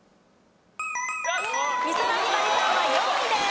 美空ひばりさんは４位です。